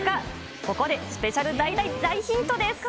ここでスペシャル大・大・大ヒントです。